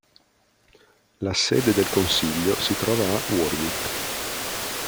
La sede del consiglio si trova a Warwick.